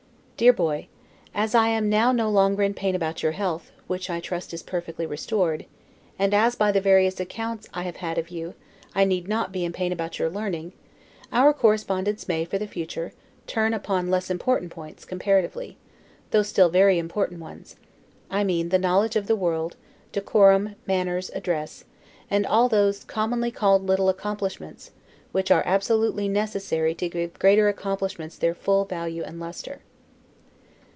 DEAR BOY: As I am now no longer in pain about your health, which I trust is perfectly restored; and as, by the various accounts I have had of you, I need not be in pain about your learning, our correspondence may, for the future, turn upon less important points, comparatively; though still very important ones: I mean, the knowledge of the world, decorum, manners, address, and all those (commonly called little) accomplishments, which are absolutely necessary to give greater accomplishments their full, value and lustre.